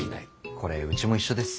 これうちも一緒です。